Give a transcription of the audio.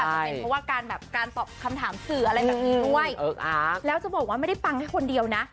จะเป็นเพราะว่าการแบบการตอบคำถามสื่ออะไรแบบนี้ด้วยแล้วจะบอกว่าไม่ได้ปังแค่คนเดียวนะ